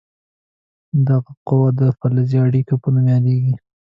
دغه قوه د فلزي اړیکې په نوم یادیږي.